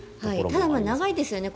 ただ、長いですよね。